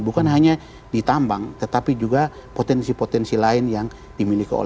bukan hanya di tambang tetapi juga potensi potensi lain yang dimiliki oleh